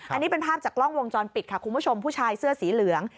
อันนี้เป็นภาพจากกล้องวงจรปิดค่ะคุณผู้ชมผู้ชายเสื้อสีเหลือง